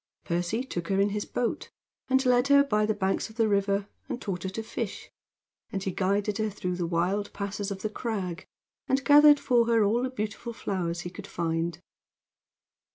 Percy took her in his boat, and led her by the banks of the river, and taught her to fish, and he guided her through the wild passes of the crag, and gathered for her all the beautiful flowers he could find.